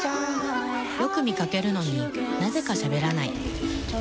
よく見かけるのになぜかしゃべらない。